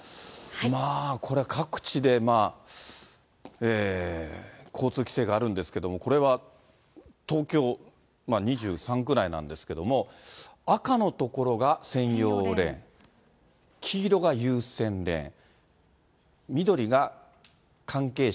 まあ、これ、各地で交通規制があるんですけれども、これは東京２３区内なんですけれども、赤の所が専用レーン、黄色が優先レーン、緑が関係者